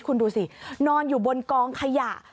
คุณดูสินอนอยู่บนกองขยะ